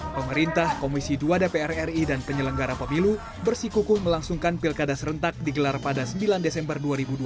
pemerintah komisi dua dpr ri dan penyelenggara pemilu bersikukuh melangsungkan pilkada serentak digelar pada sembilan desember dua ribu dua puluh